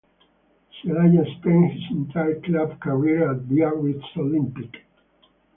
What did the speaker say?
Celaya spent his entire club career at Biarritz Olympique.